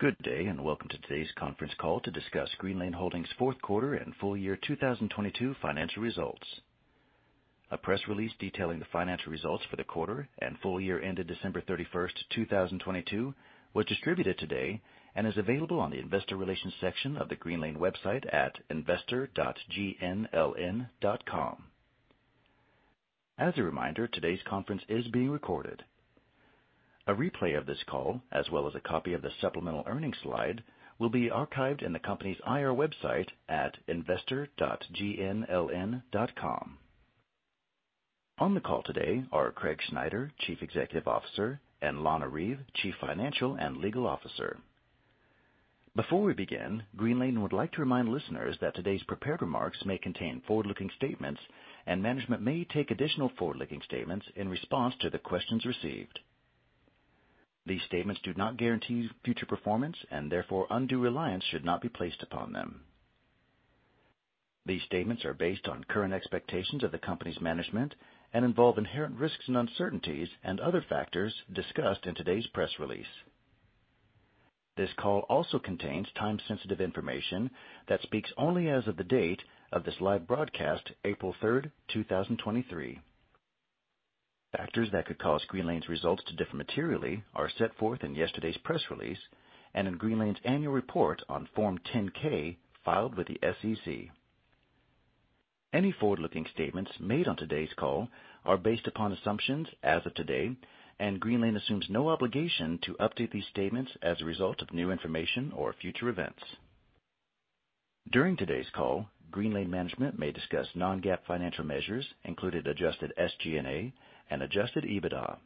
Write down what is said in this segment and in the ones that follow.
Good day, welcome to today's conference call to discuss Greenlane Holdings' fourth quarter and full year 2022 financial results. A press release detailing the financial results for the quarter and full year ended December 31st, 2022 was distributed today and is available on the investor relations section of the Greenlane website at investor.gnln.com. As a reminder, today's conference is being recorded. A replay of this call, as well as a copy of the supplemental earnings slide, will be archived in the company's IR website at investor.gnln.com. On the call today are Craig Snyder, Chief Executive Officer, and Lana Reeve, Chief Financial and Legal Officer. Before we begin, Greenlane would like to remind listeners that today's prepared remarks may contain forward-looking statements, and management may take additional forward-looking statements in response to the questions received. These statements do not guarantee future performance and therefore undue reliance should not be placed upon them. These statements are based on current expectations of the company's management and involve inherent risks and uncertainties and other factors discussed in today's press release. This call also contains time-sensitive information that speaks only as of the date of this live broadcast, April third, 2023. Factors that could cause Greenlane's results to differ materially are set forth in yesterday's press release and in Greenlane's annual report on Form 10-K filed with the SEC. Any forward-looking statements made on today's call are based upon assumptions as of today, and Greenlane assumes no obligation to update these statements as a result of new information or future events. During today's call, Greenlane management may discuss non-GAAP financial measures, including adjusted SG&A and adjusted EBITDA.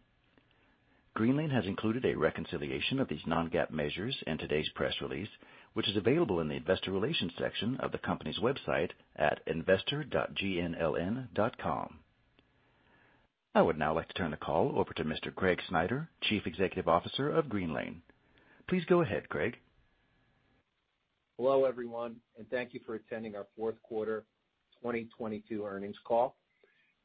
Greenlane has included a reconciliation of these non-GAAP measures in today's press release, which is available in the investor relations section of the company's website at investor.gnln.com. I would now like to turn the call over to Mr. Craig Snyder, Chief Executive Officer of Greenlane. Please go ahead, Craig. Hello, everyone, and thank you for attending our fourth quarter 2022 Earnings Call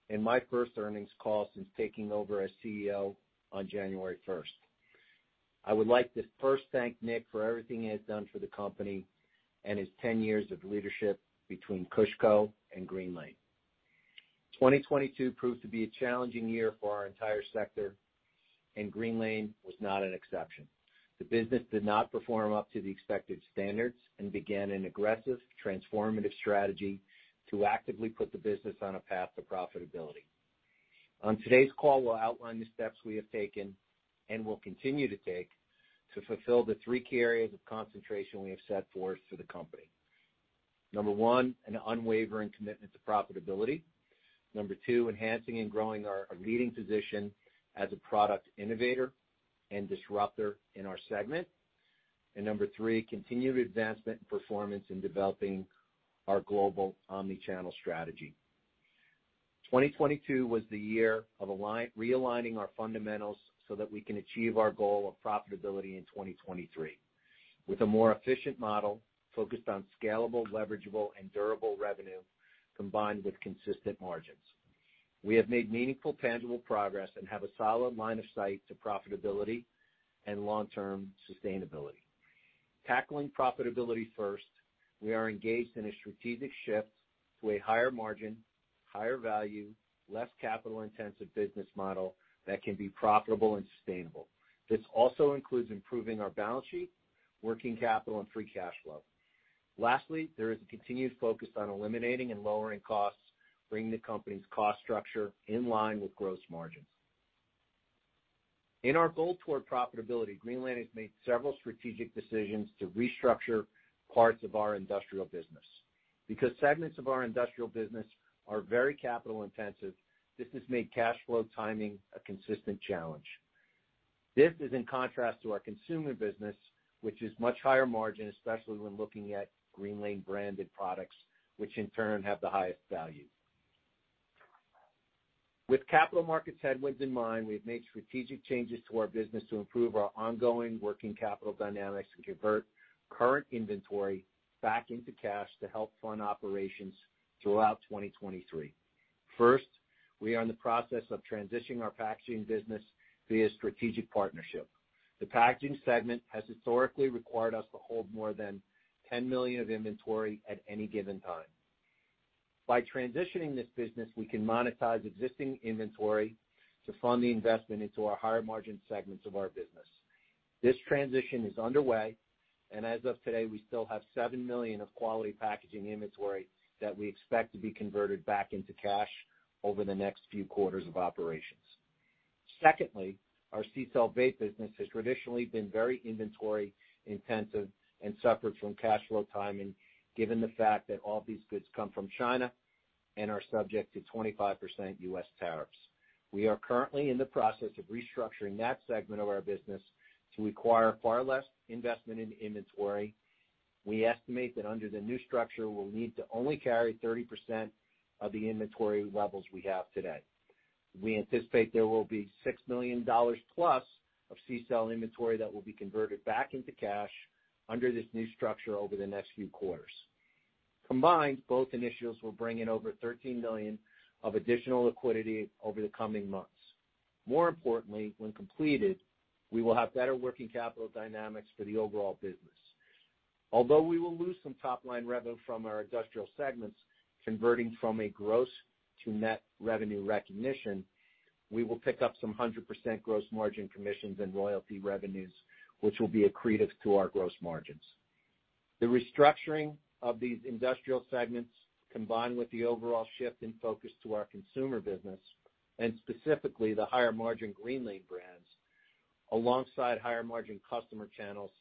and my first earnings call since taking over as CEO on January 1st. I would like to first thank Nick for everything he has done for the company and his 10 years of leadership between KushCo and Greenlane. 2022 proved to be a challenging year for our entire sector, and Greenlane was not an exception. The business did not perform up to the expected standards and began an aggressive transformative strategy to actively put the business on a path to profitability. On today's call, we'll outline the steps we have taken and will continue to take to fulfill the three key areas of concentration we have set forth for the company. Number one, an unwavering commitment to profitability. Number two, enhancing and growing our leading position as a product innovator and disruptor in our segment. Number three, continued advancement and performance in developing our global omni-channel strategy. 2022 was the year of realigning our fundamentals so that we can achieve our goal of profitability in 2023 with a more efficient model focused on scalable, leverageable and durable revenue combined with consistent margins. We have made meaningful tangible progress and have a solid line of sight to profitability and long-term sustainability. Tackling profitability first, we are engaged in a strategic shift to a higher margin, higher value, less capital-intensive business model that can be profitable and sustainable. This also includes improving our balance sheet, working capital and free cash flow. Lastly, there is a continued focus on eliminating and lowering costs, bringing the company's cost structure in line with gross margins. In our goal toward profitability, Greenlane has made several strategic decisions to restructure parts of our industrial business. Segments of our industrial business are very capital intensive, this has made cash flow timing a consistent challenge. This is in contrast to our consumer business, which is much higher margin, especially when looking at Greenlane branded products, which in turn have the highest value. With capital markets headwinds in mind, we've made strategic changes to our business to improve our ongoing working capital dynamics and convert current inventory back into cash to help fund operations throughout 2023. First, we are in the process of transitioning our packaging business via strategic partnership. The packaging segment has historically required us to hold more than $10 million of inventory at any given time. By transitioning this business, we can monetize existing inventory to fund the investment into our higher margin segments of our business. This transition is underway. As of today, we still have $7 million of quality packaging inventory that we expect to be converted back into cash over the next few quarters of operations. Secondly, our CCELL vape business has traditionally been very inventory intensive and suffered from cash flow timing, given the fact that all these goods come from China and are subject to 25% US tariffs. We are currently in the process of restructuring that segment of our business to require far less investment in inventory. We estimate that under the new structure, we'll need to only carry 30% of the inventory levels we have today. We anticipate there will be $6 million plus of CCELL inventory that will be converted back into cash under this new structure over the next few quarters. Combined, both initiatives will bring in over $13 million of additional liquidity over the coming months. More importantly, when completed, we will have better working capital dynamics for the overall business. Although we will lose some top-line revenue from our industrial segments converting from a gross to net revenue recognition, we will pick up some 100% gross margin commissions and royalty revenues, which will be accretive to our gross margins. The restructuring of these industrial segments, combined with the overall shift in focus to our consumer business, and specifically the higher-margin Greenlane brands, alongside higher-margin customer channels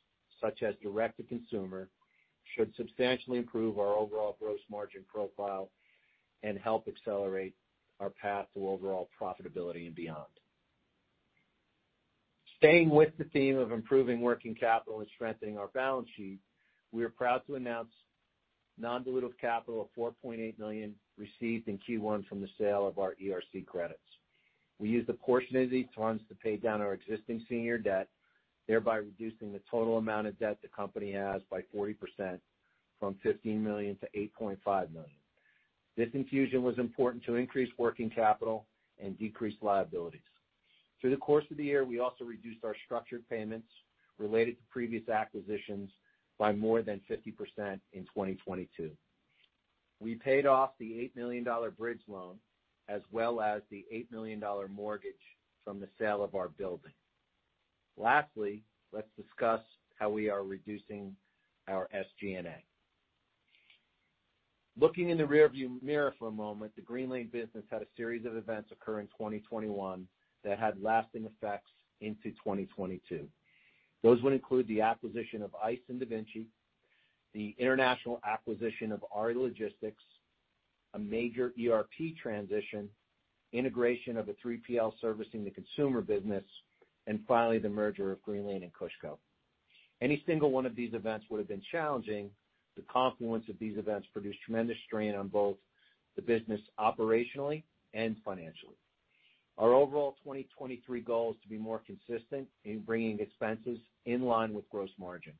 such as direct-to-consumer, should substantially improve our overall gross margin profile and help accelerate our path to overall profitability and beyond. Staying with the theme of improving working capital and strengthening our balance sheet, we are proud to announce non-dilutive capital of $4.8 million received in Q1 from the sale of our ERC credits. We used a portion of these funds to pay down our existing senior debt, thereby reducing the total amount of debt the company has by 40% from $15 million-$8.5 million. This infusion was important to increase working capital and decrease liabilities. Through the course of the year, we also reduced our structured payments related to previous acquisitions by more than 50% in 2022. We paid off the $8 million bridge loan as well as the $8 million mortgage from the sale of our building. Lastly, let's discuss how we are reducing our SG&A. Looking in the rearview mirror for a moment, the Greenlane business had a series of events occur in 2021 that had lasting effects into 2022. Those would include the acquisition of Eyce and DaVinci, the international acquisition of ARI Logistics, a major ERP transition, integration of a 3PL servicing the consumer business, and finally, the merger of Greenlane and KushCo. Any single one of these events would have been challenging. The confluence of these events produced tremendous strain on both the business operationally and financially. Our overall 2023 goal is to be more consistent in bringing expenses in line with gross margin.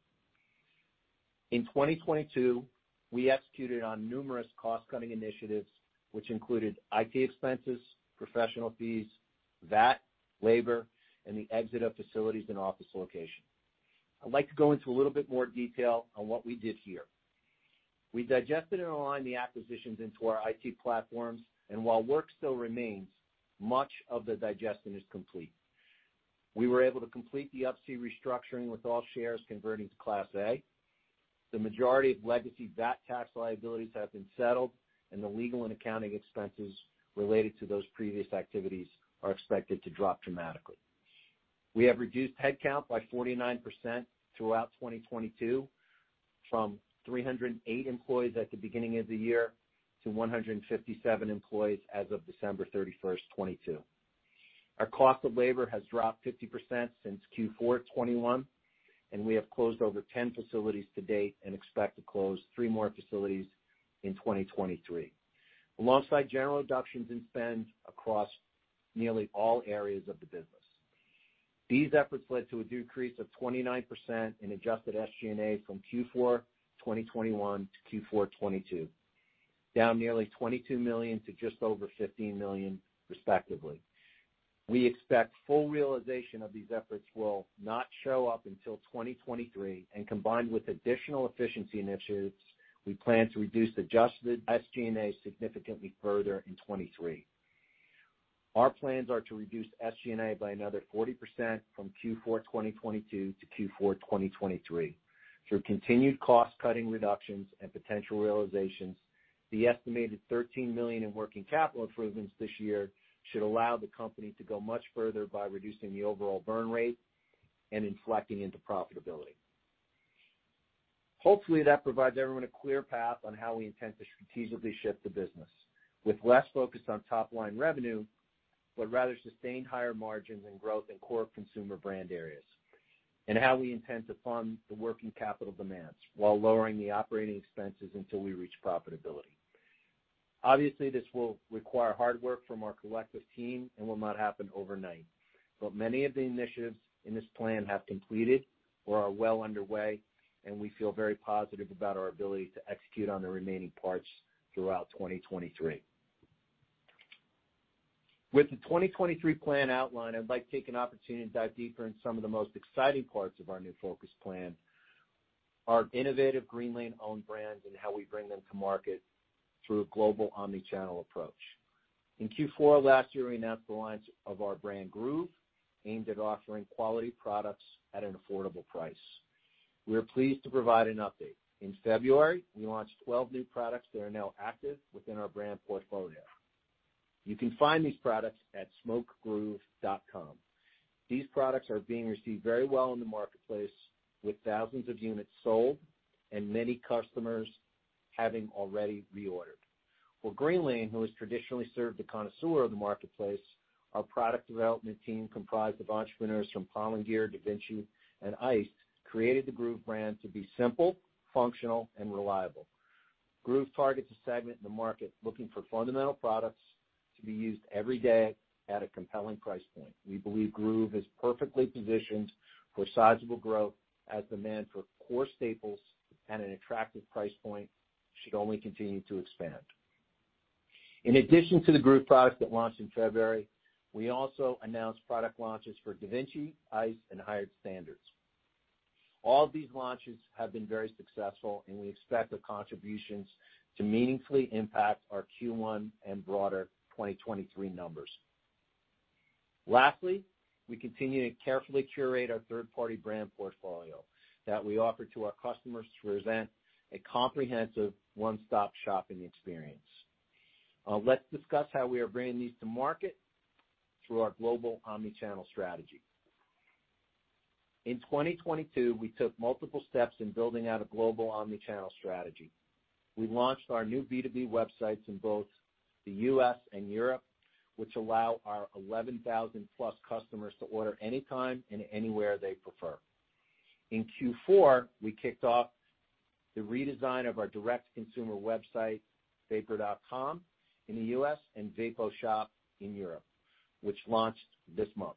In 2022, we executed on numerous cost-cutting initiatives, which included IT expenses, professional fees, VAT, labor, and the exit of facilities and office location. I'd like to go into a little bit more detail on what we did here. We digested and aligned the acquisitions into our IT platforms, and while work still remains, much of the digestion is complete. We were able to complete the Up-C restructuring with all shares converting to Class A. The majority of legacy VAT tax liabilities have been settled, and the legal and accounting expenses related to those previous activities are expected to drop dramatically. We have reduced headcount by 49% throughout 2022 from 308 employees at the beginning of the year to 157 employees as of December 31st, 2022. Our cost of labor has dropped 50% since Q4 2021, and we have closed over 10 facilities to date and expect to close three more facilities in 2023, alongside general reductions in spend across nearly all areas of the business. These efforts led to a decrease of 29% in adjusted SG&A from Q4 2021-Q4 2022, down nearly $22 million to just over $15 million, respectively. We expect full realization of these efforts will not show up until 2023, and combined with additional efficiency initiatives, we plan to reduce adjusted SG&A significantly further in 2023. Our plans are to reduce SG&A by another 40% from Q4 2022-Q4 2023. Through continued cost-cutting reductions and potential realizations, the estimated $13 million in working capital improvements this year should allow the company to go much further by reducing the overall burn rate and inflecting into profitability. Hopefully, that provides everyone a clear path on how we intend to strategically shift the business with less focus on top-line revenue, but rather sustain higher margins and growth in core consumer brand areas and how we intend to fund the working capital demands while lowering the operating expenses until we reach profitability. This will require hard work from our collective team and will not happen overnight. Many of the initiatives in this plan have completed or are well underway, and we feel very positive about our ability to execute on the remaining parts throughout 2023. With the 2023 plan outline, I'd like to take an opportunity to dive deeper in some of the most exciting parts of our new focus plan, our innovative Greenlane owned brands and how we bring them to market through a global omni-channel approach. In Q4 of last year, we announced the launch of our brand, Groove, aimed at offering quality products at an affordable price. We are pleased to provide an update. In February, we launched 12 new products that are now active within our brand portfolio. You can find these products at smokegroove.com. These products are being received very well in the marketplace, with thousands of units sold and many customers having already reordered. For Greenlane, who has traditionally served the connoisseur of the marketplace, our product development team, comprised of entrepreneurs from Pollen Gear, DaVinci, and Eyce, created the Groove brand to be simple, functional, and reliable. Groove targets a segment in the market looking for fundamental products to be used every day at a compelling price point. We believe Groove is perfectly positioned for sizable growth as demand for core staples at an attractive price point should only continue to expand. In addition to the Groove product that launched in February, we also announced product launches for DaVinci, Eyce, and Higher Standards. All of these launches have been very successful, we expect the contributions to meaningfully impact our Q1 and broader 2023 numbers. Lastly, we continue to carefully curate our third-party brand portfolio that we offer to our customers to present a comprehensive one-stop shopping experience. Let's discuss how we are bringing these to market through our global omni-channel strategy. In 2022, we took multiple steps in building out a global omni-channel strategy. We launched our new B2B websites in both the U.S. and Europe, which allow our +11,000 customers to order anytime and anywhere they prefer. In Q4, we kicked off the redesign of our direct-to-consumer website, Vapor.com in the U.S. and VapoShop in Europe, which launched this month.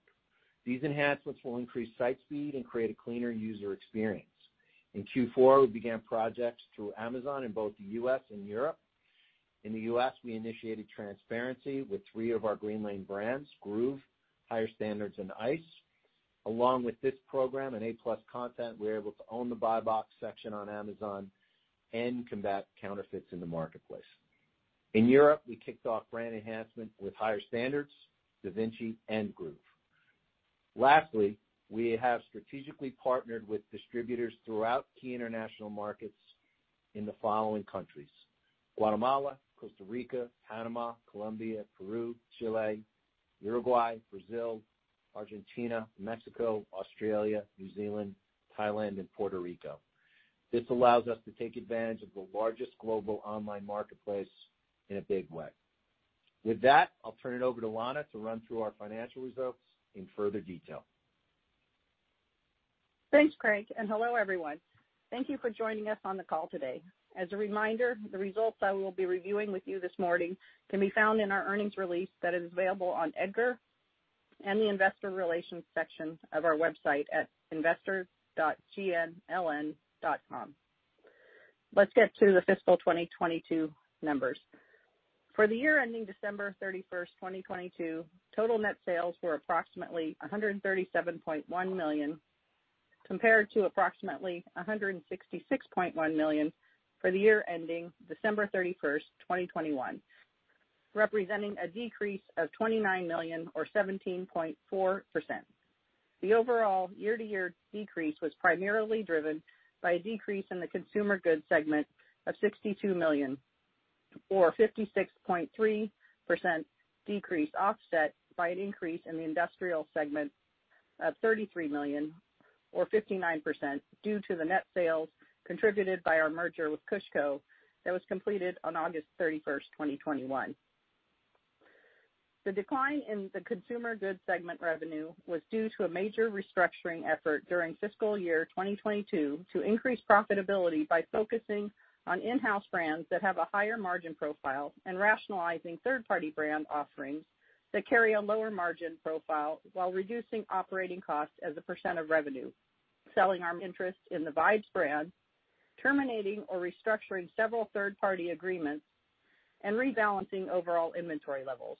These enhancements will increase site speed and create a cleaner user experience. In Q4, we began projects through Amazon in both the U.S. and Europe. In the U.S., we initiated transparency with three of our Greenlane brands, Groove, Higher Standards, and Eyce. Along with this program and A+ Content, we're able to own the Buy Box section on Amazon and combat counterfeits in the marketplace. In Europe, we kicked off brand enhancement with Higher Standards, DaVinci, and Groove. Lastly, we have strategically partnered with distributors throughout key international markets in the following countries: Guatemala, Costa Rica, Panama, Colombia, Peru, Chile, Uruguay, Brazil, Argentina, Mexico, Australia, New Zealand, Thailand, and Puerto Rico. This allows us to take advantage of the largest global online marketplace in a big way. With that, I'll turn it over to Lana to run through our financial results in further detail. Thanks, Craig, and hello, everyone. Thank you for joining us on the call today. As a reminder, the results I will be reviewing with you this morning can be found in our earnings release that is available on EDGAR and the investor relations section of our website at investor.gnln.com. Let's get to the fiscal 2022 numbers. For the year ending December 31st, 2022, total net sales were approximately $137.1 million, compared to approximately $166.1 million for the year ending December 31st, 2021, representing a decrease of $29 million or 17.4%. The overall year-over-year decrease was primarily driven by a decrease in the consumer goods segment of $62 million or 56.3% decrease, offset by an increase in the industrial segment of $33 million or 59% due to the net sales contributed by our merger with KushCo that was completed on August 31st, 2021. The decline in the consumer goods segment revenue was due to a major restructuring effort during fiscal year 2022 to increase profitability by focusing on in-house brands that have a higher margin profile and rationalizing third-party brand offerings that carry a lower margin profile while reducing operating costs as a percent of revenue, selling our interest in the Vibes brand, terminating or restructuring several third-party agreements, and rebalancing overall inventory levels.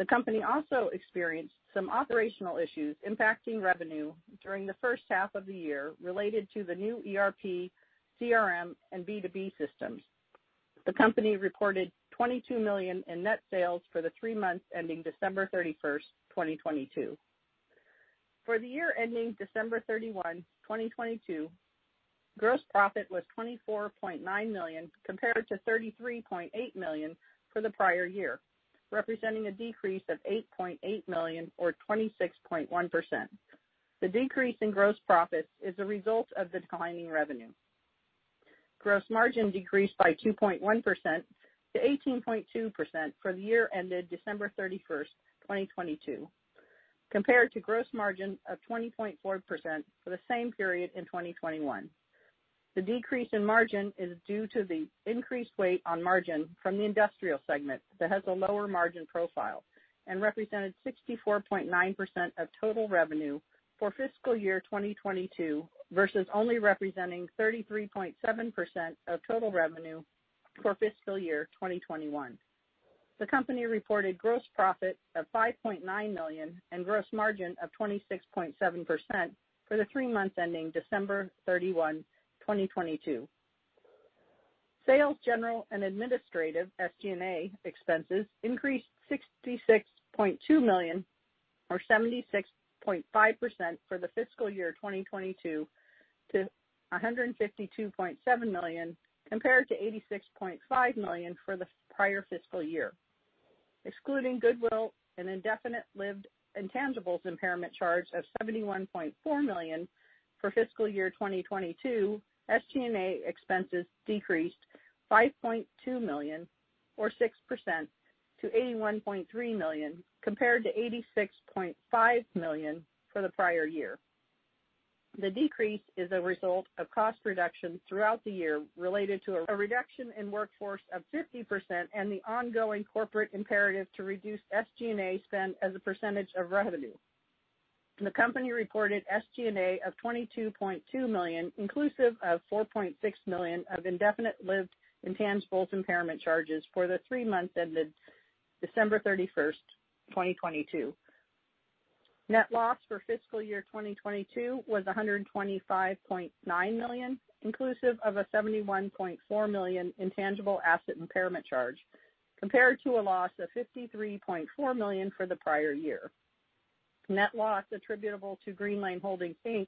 The company also experienced some operational issues impacting revenue during the first half of the year related to the new ERP, CRM, and B2B systems. The company reported $22 million in net sales for the three months ending December 31st, 2022. For the year ending December 31, 2022, gross profit was $24.9 million compared to $33.8 million for the prior year, representing a decrease of $8.8 million or 26.1%. The decrease in gross profits is a result of the declining revenue. Gross margin decreased by 2.1%-18.2% for the year ended December 31st, 2022, compared to gross margin of 20.4% for the same period in 2021. The decrease in margin is due to the increased weight on margin from the industrial segment that has a lower margin profile and represented 64.9% of total revenue for fiscal year 2022 versus only representing 33.7% of total revenue for fiscal year 2021. The company reported gross profit of $5.9 million and gross margin of 26.7% for the three months ending December 31, 2022. Sales, general, and administrative, SG&A, expenses increased $66.2 million or 76.5% for the fiscal year 2022 to $152.7 million compared to $86.5 million for the prior fiscal year. Excluding goodwill and indefinite-lived intangibles impairment charge of $71.4 million for fiscal year 2022, SG&A expenses decreased $5.2 million or 6% to $81.3 million compared to $86.5 million for the prior year. The decrease is a result of cost reduction throughout the year related to a reduction in workforce of 50% and the ongoing corporate imperative to reduce SG&A spend as a percentage of revenue. The company reported SG&A of $22.2 million, inclusive of $4.6 million of indefinite-lived intangibles impairment charges for the three months ended December 31st, 2022. Net loss for fiscal year 2022 was $125.9 million, inclusive of a $71.4 million intangible asset impairment charge, compared to a loss of $53.4 million for the prior year. Net loss attributable to Greenlane Holdings Inc.,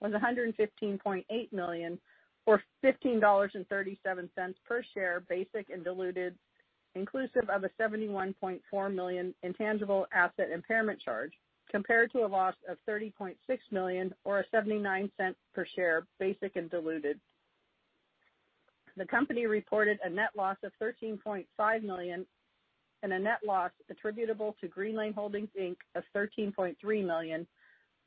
was $115.8 million, or $15.37 per share, basic and diluted, inclusive of a $71.4 million intangible asset impairment charge, compared to a loss of $30.6 million or a $0.79 per share, basic and diluted. The company reported a net loss of $13.5 million and a net loss attributable to Greenlane Holdings Inc., of $13.3 million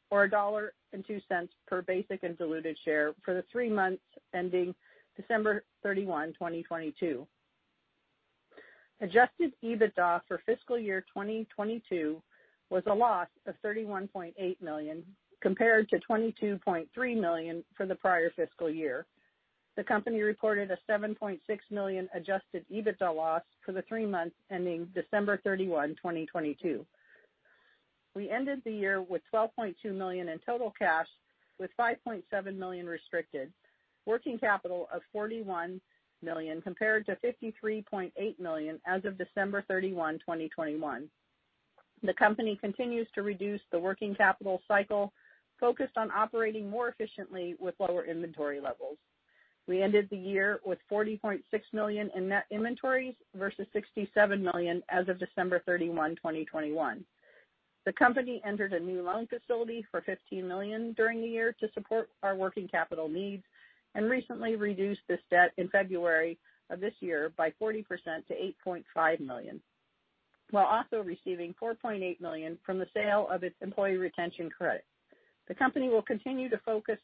or a $1.02 per basic and diluted share for the three months ending December 31, 2022. Adjusted EBITDA for fiscal year 2022 was a loss of $31.8 million compared to $22.3 million for the prior fiscal year. The company reported a $7.6 million adjusted EBITDA loss for the three months ending December 31, 2022. We ended the year with $12.2 million in total cash, with $5.7 million restricted, working capital of $41 million compared to $53.8 million as of December 31, 2021. The company continues to reduce the working capital cycle focused on operating more efficiently with lower inventory levels. We ended the year with $40.6 million in net inventories versus $67 million as of December 31, 2021. The company entered a new loan facility for $15 million during the year to support our working capital needs and recently reduced this debt in February of this year by 40% to $8.5 million, while also receiving $4.8 million from the sale of its Employee Retention Credit. The company will continue to focus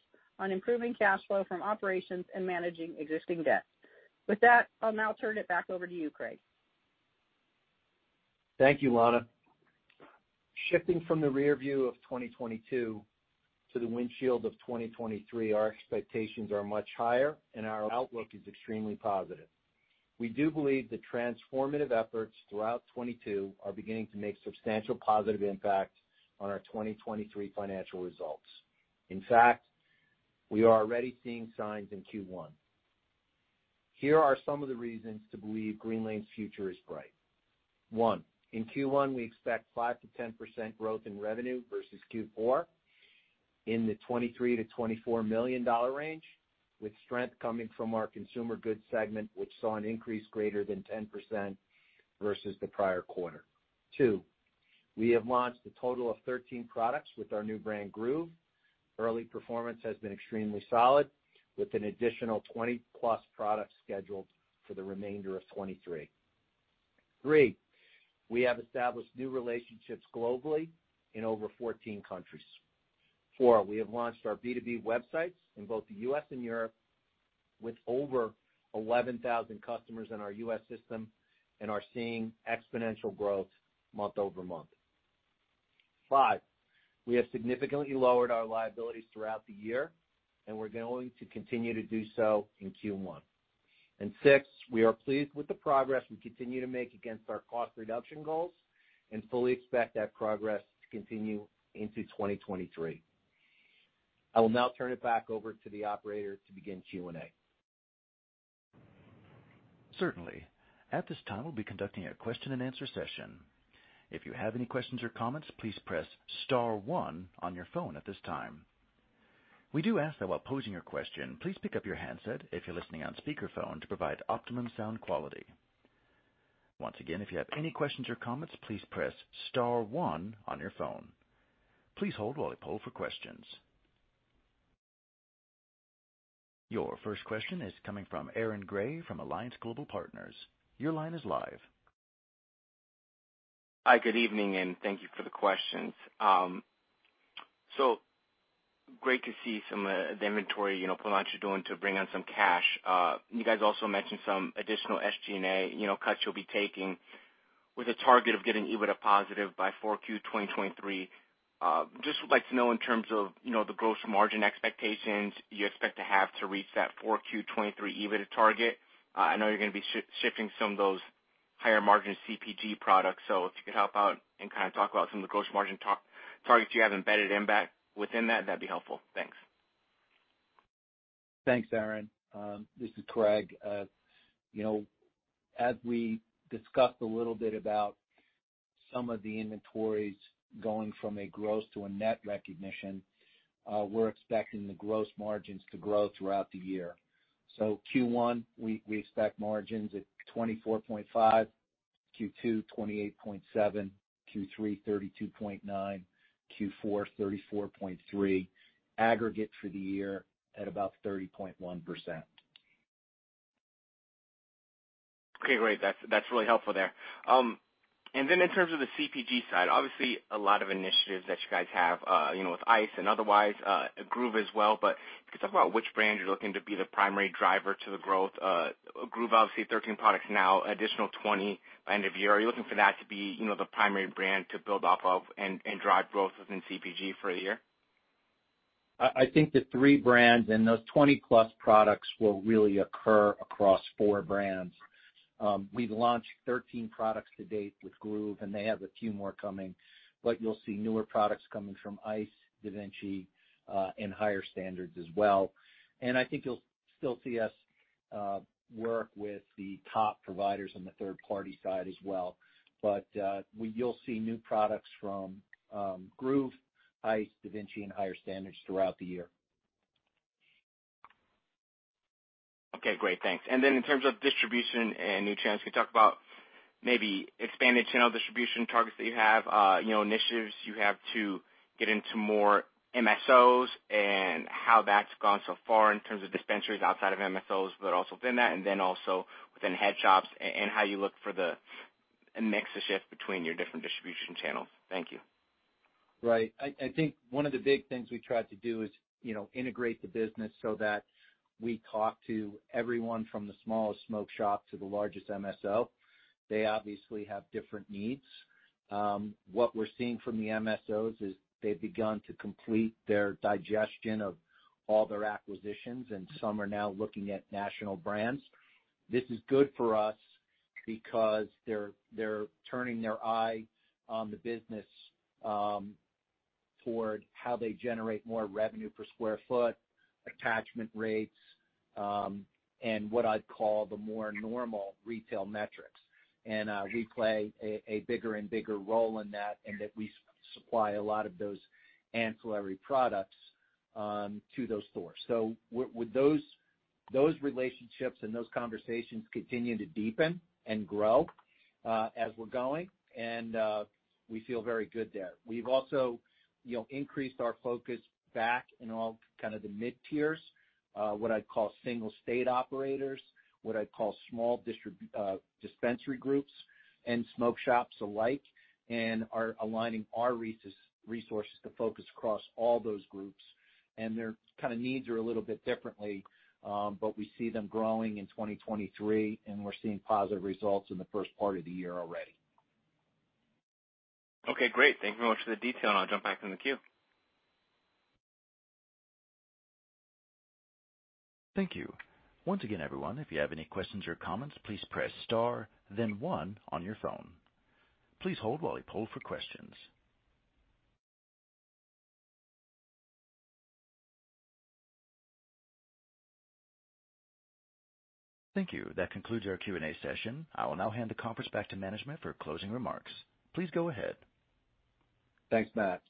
on improving cash flow from operations and managing existing debt. With that, I'll now turn it back over to you, Craig. Thank you, Lana. Shifting from the rearview of 2022 to the windshield of 2023, our expectations are much higher and our outlook is extremely positive. We do believe the transformative efforts throughout 2022 are beginning to make substantial positive impact on our 2023 financial results. We are already seeing signs in Q1. Here are some of the reasons to believe Greenlane's future is bright. One, in Q1, we expect 5%-10% growth in revenue versus Q4 in the $23-$24 million range, with strength coming from our consumer goods segment, which saw an increase greater than 10% versus the prior quarter. Two, we have launched a total of 13 products with our new brand, Groove. Early performance has been extremely solid, with an additional 20+ products scheduled for the remainder of 2023. Three, we have established new relationships globally in over 14 countries. Four, we have launched our B2B websites in both the U.S. and Europe, with over 11,000 customers in our U.S. system and are seeing exponential growth month-over-month. Five, we have significantly lowered our liabilities throughout the year, we're going to continue to do so in Q1. Six, we are pleased with the progress we continue to make against our cost reduction goals and fully expect that progress to continue into 2023. I will now turn it back over to the operator to begin Q&A. Certainly. At this time, we'll be conducting a question and answer session. If you have any questions or comments, please press star one on your phone at this time. We do ask that while posing your question, please pick up your handset if you're listening on speakerphone to provide optimum sound quality. Once again, if you have any questions or comments, please press star one on your phone. Please hold while we poll for questions. Your first question is coming from Aaron Grey from Alliance Global Partners. Your line is live. Hi, good evening, thank you for the questions. Great to see some, the inventory, you know, pullback you're doing to bring on some cash. You guys also mentioned some additional SG&A, you know, cuts you'll be taking with a target of getting EBITDA positive by 4Q 2023. Just would like to know in terms of, you know, the gross margin expectations you expect to have to reach that 4Q 2023 EBITDA target. I know you're gonna be shifting some of those higher margin CPG products. If you could help out and kind of talk about some of the gross margin targets you have embedded in back within that'd be helpful. Thanks. Thanks, Aaron. This is Craig. You know, as we discussed a little bit about some of the inventories going from a gross to a net revenue recognition, we're expecting the gross margins to grow throughout the year. Q1, we expect margins at 24.5%, Q2 28.7%, Q3 32.9%, Q4 34.3%, aggregate for the year at about 30.1%. Okay, great. That's really helpful there. Then in terms of the CPG side, obviously a lot of initiatives that you guys have, you know, with Eyce and otherwise, with Groove as well. Can you talk about which brand you're looking to be the primary driver to the growth? Groove obviously 13 products now, additional 20 by end of year. Are you looking for that to be, you know, the primary brand to build off of and drive growth within CPG for a year? I think the three brands and those 20+ products will really occur across four brands. We've launched 13 products to date with Groove, and they have a few more coming. You'll see newer products coming from Eyce, DaVinci, and Higher Standards as well. I think you'll still see us work with the top providers on the third-party side as well. You'll see new products from Groove, Eyce, DaVinci and Higher Standards throughout the year. Okay, great. Thanks. Then in terms of distribution and new trends, can you talk about maybe expanded channel distribution targets that you have? you know, initiatives you have to get into more MSOs, and how that's gone so far in terms of dispensaries outside of MSOs, but also within that, and then also within head shops and how you look for the mix to shift between your different distribution channels? Thank you. Right. I think one of the big things we tried to do is, you know, integrate the business so that we talk to everyone from the smallest smoke shop to the largest MSO. They obviously have different needs. What we're seeing from the MSOs is they've begun to complete their digestion of all their acquisitions, and some are now looking at national brands. This is good for us because they're turning their eye on the business toward how they generate more revenue per square foot, attachment rates, and what I'd call the more normal retail metrics. We play a bigger and bigger role in that, and that we supply a lot of those ancillary products to those stores. With those relationships and those conversations continue to deepen and grow as we're going, we feel very good there. We've also, you know, increased our focus back in all kind of the mid tiers, what I'd call single-state operators, what I'd call small dispensary groups and smoke shops alike, and are aligning our resources to focus across all those groups. Their kinda needs are a little bit differently, but we see them growing in 2023, and we're seeing positive results in the first part of the year already. Okay, great. Thank you very much for the detail, and I'll jump back in the queue. Thank you. Once again, everyone, if you have any questions or comments, please press star then one on your phone. Please hold while we poll for questions. Thank you. That concludes our Q&A session. I will now hand the conference back to management for closing remarks. Please go ahead. Thanks, Matt.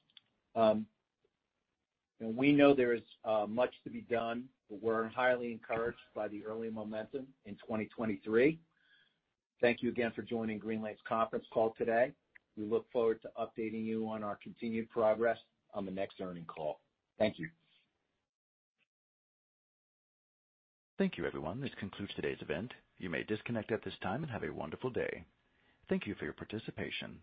We know there is much to be done, but we're highly encouraged by the early momentum in 2023. Thank you again for joining Greenlane's conference call today. We look forward to updating you on our continued progress on the next earning call. Thank you. Thank you, everyone. This concludes today's event. You may disconnect at this time. Have a wonderful day. Thank you for your participation.